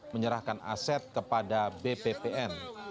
menyerahkan aset kepada bppn